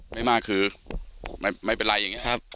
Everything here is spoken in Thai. ไม่มากคือไม่เป็นไรอย่างนี้